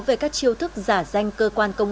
về các chiều thức giả danh cơ quan công an